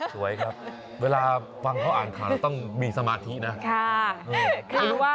สวยครับเวลาฟังเขาอ่านข่าวเราต้องมีสมาธินะ